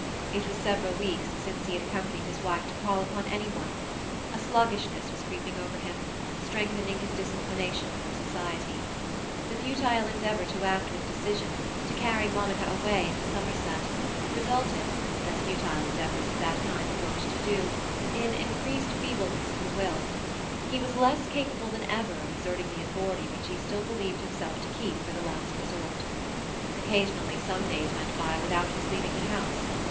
It was several weeks since he had accompanied his wife to call upon any one; a sluggishness was creeping over him, strengthening his disinclination for society. The futile endeavour to act with decision, to carry Monica away into Somerset, resulted, as futile efforts of that kind are wont to do, in increased feebleness of the will; he was less capable than ever of exerting the authority which he still believed himself to keep for the last resort. Occasionally some days went by without his leaving the house.